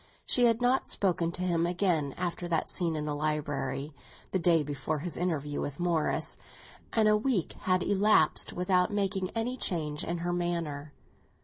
She had not spoken to him again after that scene in the library, the day before his interview with Morris; and a week had elapsed without making any change in her manner.